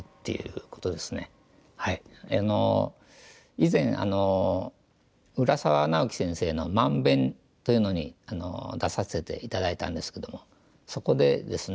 以前「浦沢直樹先生の慢勉」というのに出させて頂いたんですけどもそこでですね